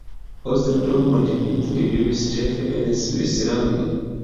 Post la Dua mondmilito li vivis ĉefe en Svislando.